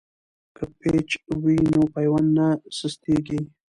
که پیچ وي نو پیوند نه سستیږي.